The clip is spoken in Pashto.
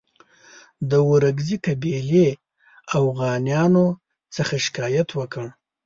د ورکزي قبیلې اوغانیانو څخه شکایت وکړ.